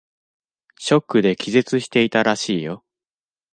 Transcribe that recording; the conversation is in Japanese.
ショックで気絶していたらしいよ。